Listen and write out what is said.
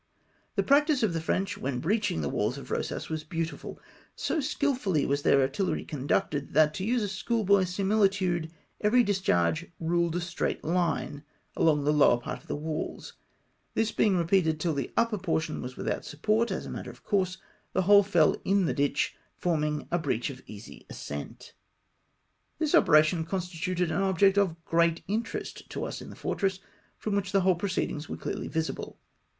The practice of the French when breaching the walls of Eosas, was beautiful. So skilfully was their artil lery conducted, that, to use a schoolboy simihtude, every discharge " ruled a straight hne " along the lower part of the walls ; this being repeated till the upper portion was without support, as a matter of course, the whole feU in the ditch, forming a breach of easy ascent. X 2 308 PEACTICE OF THE FREXCH. This operation constituted an object of great interest to us in the fortress, from whicli the whole proceedings were clearly visible.